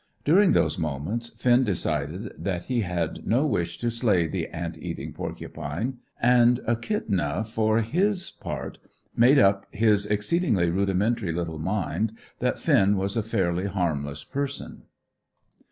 During those moments, Finn decided that he had no wish to slay the ant eating porcupine, and Echidna, for his part, made up his exceedingly rudimentary little mind that Finn was a fairly harmless person.